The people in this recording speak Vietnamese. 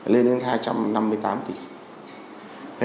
lên đến hai trăm năm mươi tám tỉnh